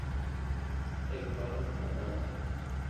ایک بال اوک بناں تھہ